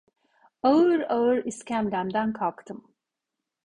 Ağır ağır iskemlemden kalktım.